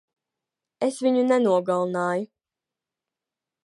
Es viņu nenogalināju.